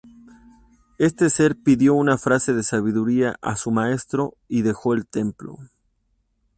Este ser pidió una frase de sabiduría a su maestro y dejó el templo.